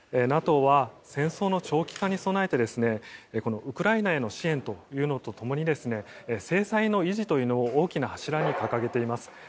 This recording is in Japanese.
ＮＡＴＯは戦争の長期化に備えてウクライナへの支援というのと共に制裁の維持というのを大きな柱に掲げています。